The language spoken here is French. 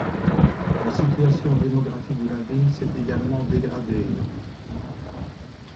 La situation démographique de la ville s'est également dégradée.